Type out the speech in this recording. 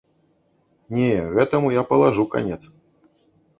Не, гэтаму я палажу канец.